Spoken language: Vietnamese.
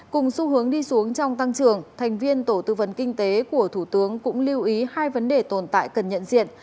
cùng xu hướng đi xuống trong tăng trưởng thành viên tổ tư vấn kinh tế của thủ tướng cũng lưu ý hai vấn đề tồn tại cần nhận diện